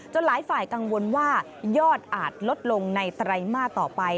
หลายฝ่ายกังวลว่ายอดอาจลดลงในไตรมาสต่อไป